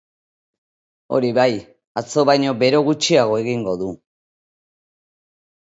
Hori bai, atzo baino bero gutxiago egingo du.